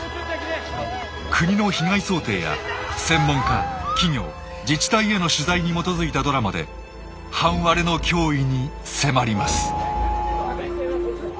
国の被害想定や専門家企業自治体への取材に基づいたドラマで半割れの脅威に迫ります。